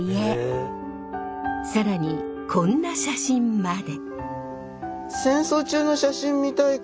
更にこんな写真まで！